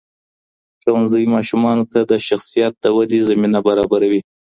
ښوونځی ماشومانو ته د شخصیت د ودې زمینه برابروي.